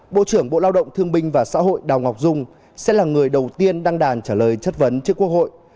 bộ trưởng bộ lao động thương binh và xã hội đào ngọc dung sẽ là người đầu tiên đăng đàn trả lời chất vấn trước quốc hội